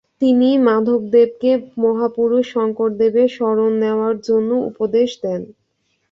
তিনি মাধবদেবকে মহাপুরুষ শংকরদেবের শরণ নেওয়ার জন্য উপদেশ দেন।